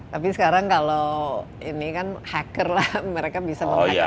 tapi sekarang kalau ini kan hacker lah mereka bisa mengajak